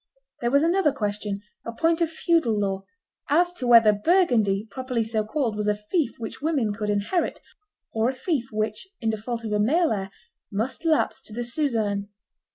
There was another question, a point of feudal law, as to whether Burgundy, properly so called, was a fief which women could inherit, or a fief which, in default of a male heir, must lapse to the suzerain.